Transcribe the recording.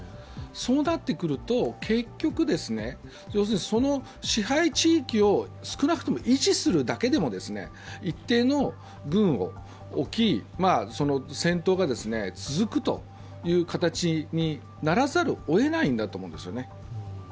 そうなってくると、結局、その支配地域を少なくとも維持するだけでも一定の軍を置き、戦闘が続くという形にならざるをえないんだと思うんですね。